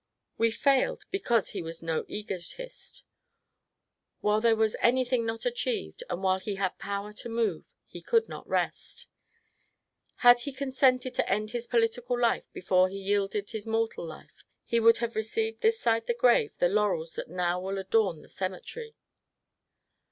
We failed because he was no egotist. While there was anything not achieved, and while he had power to move, he could not rest. Had he consented to end his political life before he yielded his mortal life he would have received this side the grave the laurels that now will adorn the cemetery.